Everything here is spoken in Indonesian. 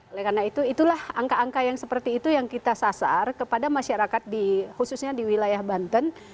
oleh karena itu itulah angka angka yang seperti itu yang kita sasar kepada masyarakat di khususnya di wilayah banten